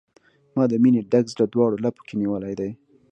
ما د مینې ډک زړه، دواړو لپو کې نیولی و